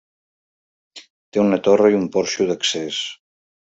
Té una torre i un porxo d'accés.